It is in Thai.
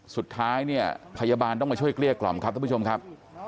สุดท้ายเนี่ยพยาบาลต้องมาช่วยเกลี้ยกล่อมครับท่านผู้ชมครับ